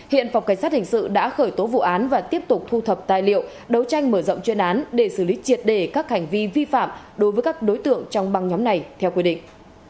hiện phòng cảnh sát hình sự đã khởi tố vụ án và tiếp tục thu thập tài liệu đấu tranh mở rộng chuyên án để xử lý triệt đề các hành vi vi phạm đối với các đối tượng trong băng nhóm này theo quy định